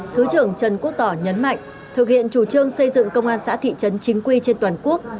thứ trưởng trần quốc tỏ nhấn mạnh thực hiện chủ trương xây dựng công an xã thị trấn chính quy trên toàn quốc